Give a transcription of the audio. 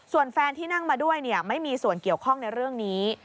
ส่วนแฟนที่นั่งมาด้วยไม่มีส่วนเกี่ยวข้องในเรื่องนี้